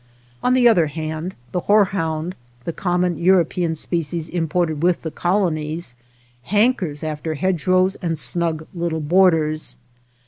On the other hand, the horehound, the common European species imported with the colonies, hankers after hedgerows and snug little borders.